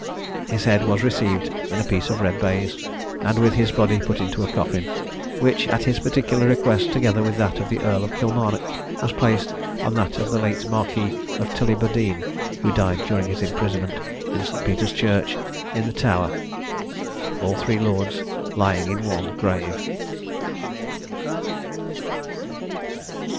His head was received in a piece of red baize, and, with his body, put into a coffin, which, at his particular request, together with that of the Earl of Kilmarnock, was placed on that of the late Marquis of Tullibardine (who died during his imprisonment,) in St. Peter's church in the Tower all three lords lying in one grave.